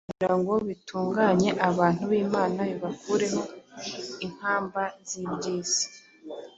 kugira ngo bitunganye abana b’imana bibakureho inkamba z’iby’isi.